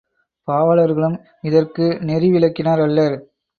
பாவலர்களும் இதற்கு நெறிவிலக்கினர் அல்லர்.